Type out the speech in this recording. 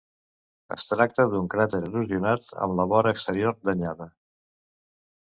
Es tracta d'un cràter erosionat amb la vora exterior danyada.